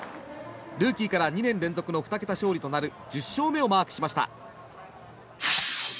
ルーキーから２年連続の２桁勝利となる１０勝目をマークしました。